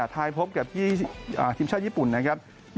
ไทยพบกับทีมชาติญี่ปุ่นนะครับ